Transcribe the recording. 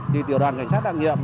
thì tiểu đoàn cảnh sát đặc nhiệm